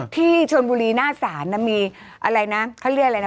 ที่เชอดบุเรน่าสารนะมีอะไรนะเคลียร์อะไรนะ